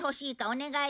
お願い！